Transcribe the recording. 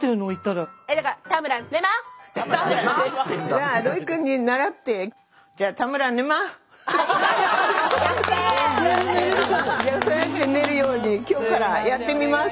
じゃあロイくんに倣ってそうやって寝るように今日からやってみます。